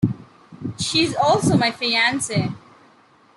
She is also my fiancee.